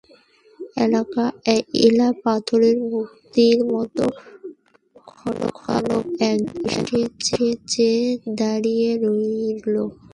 এলা পাথরের মূর্তির মতো ক্ষণকাল একদৃষ্টে চেয়ে দাঁড়িয়ে রইল।